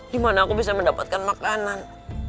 di mana aku bisa mendapatkan makanan